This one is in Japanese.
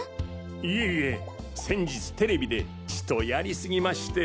いえいえ先日ＴＶでちとやり過ぎまして。